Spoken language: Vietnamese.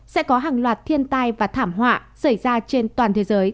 sẽ có hàng loạt thiên tai và thảm họa xảy ra trên toàn thế giới